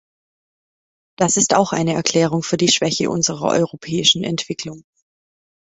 Das ist auch eine Erklärung für die Schwäche unserer europäischen Entwicklung.